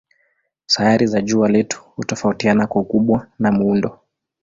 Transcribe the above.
Sayari za jua letu hutofautiana kwa ukubwa na muundo.